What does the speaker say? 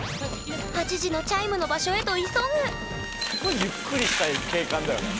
８時のチャイムの場所へと急ぐすごいゆっくりしたい景観だよね。